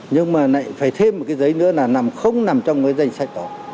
nhưng mà phải thêm một cái giấy nữa là không nằm trong cái danh sách đó